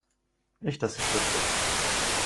Nicht dass ich wüsste.